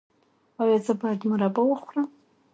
ایا زه باید مربا وخورم؟